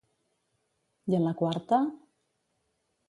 I en la quarta?